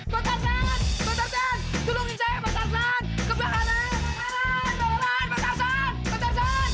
pak tarzan pak tarzan tolongin saya pak tarzan kebakaran kebakaran pak tarzan pak tarzan